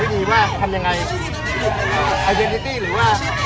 วัดดีผมเฤยังเจอไอ่ไหน